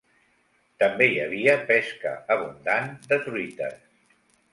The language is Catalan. També hi havia pesca abundant de truites.